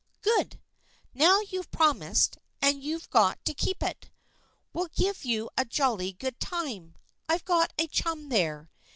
" Good ! Now you've promised, and you've got to keep it. We'll give you a jolly good time. I've got a chum there.